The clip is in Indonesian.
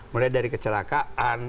mulai dari kecelakaan